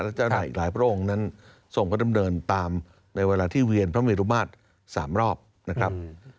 และจะเอาอีกหลายพระองค์นั้นส่งเขาเริ่มเดินตามในเวลาที่เวียนพระเมรุมาตร๓รอบนะครับ